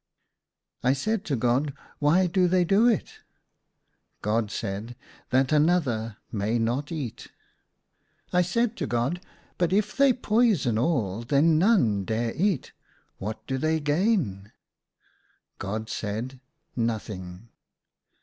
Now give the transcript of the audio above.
1 said to God, " Why do they do it }" GoJ said, " That another may not eat" 136 THE SUNLIGHT LA V I said to God, " But if they poison all then none dare eat ; what do they gain?" God said, " Nothing."